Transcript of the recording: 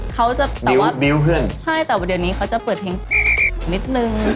เขาจะแต่ว่าใช่แต่วันเดี๋ยวนี้เขาจะเปิดเพลงนิดนึง